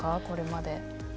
これまで。